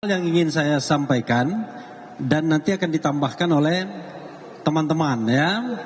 yang ingin saya sampaikan dan nanti akan ditambahkan oleh teman teman ya